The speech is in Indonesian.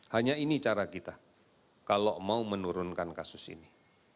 hanya ini cara kita kalau mau menurunkan kasus ini